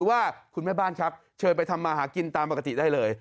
ว่าคุณแม่บ้านครับเชิญไปทำมาหากินตามปกติได้เลย